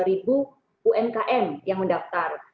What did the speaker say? nah itu umkm yang mendaftar